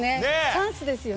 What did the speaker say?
チャンスですよね。